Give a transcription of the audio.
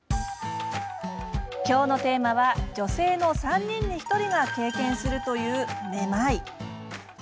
今日のテーマは女性の３人に１人が経験するというめまい。